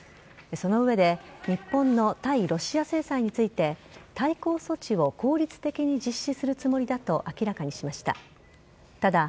その上で日本の対ロシア制裁について対抗措置を効率的に実施するつもりだと明らかにしました。